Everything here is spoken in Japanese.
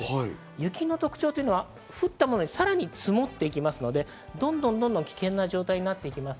雪の特徴は、降った所にさらに積もっていきますので、どんどん危険な状態になっていきます。